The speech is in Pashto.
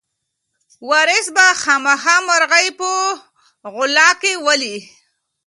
وارث به خامخا مرغۍ په غولکه ولي.